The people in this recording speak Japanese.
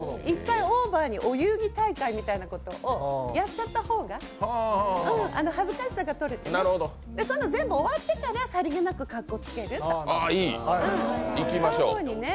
やると、恥ずかしさも十分とれて１回オーバーにお遊戯大会みたいなことをやっちゃった方が、恥ずかしさが取れてねそして、それが全部終わってからさりげなくかっこつけるとかそういうふうにね。